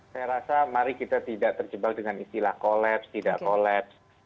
saya rasa mari kita tidak terjebak dengan istilah collaps tidak kolaps